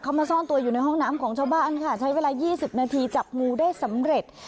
เขามาซ่อนตัวอยู่ในห้องน้ำของชาวบ้านค่ะใช้เวลา๒๐นาทีจับงูได้สำเร็จ